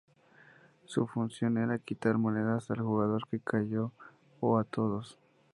Su función era de quitar monedas al jugador que cayo o a todos.